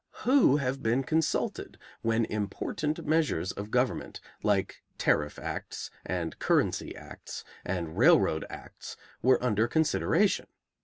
Who have been consulted when important measures of government, like tariff acts, and currency acts, and railroad acts, were under consideration?